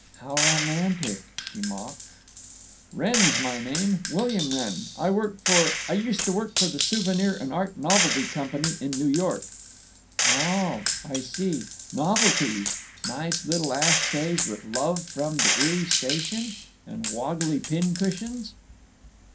"How romantic!" she mocked. "Wrenn's my name; William Wrenn. I work for—I used to work for the Souvenir and Art Novelty Company. In New York." "Oh. I see. Novelties? Nice little ash trays with 'Love from the Erie Station'? And woggly pin cushions?"